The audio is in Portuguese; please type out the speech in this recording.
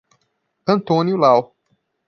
Antônio Lau